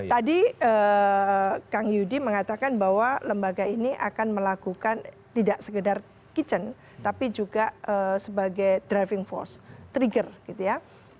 tadi kang yudi mengatakan bahwa lembaga ini akan melakukan tidak sekedar kitchen tapi juga sebagai driving force trigger gitu ya